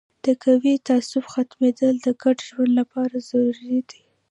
د قومي تعصب ختمیدل د ګډ ژوند لپاره ضروري ده.